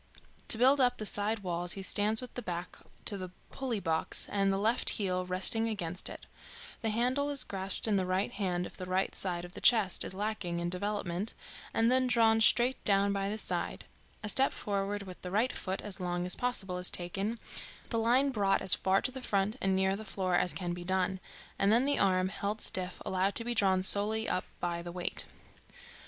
To build up the side walls he stands with the back to the pulley box and the left heel resting against it; the handle is grasped in the right hand if the right side of the chest is lacking in development, and then drawn straight down by the side; a step forward with the right foot, as long as possible, is taken, the line brought as far to the front and near the floor as can be done, and then the arm, held stiff, allowed to be drawn solely up by the weight.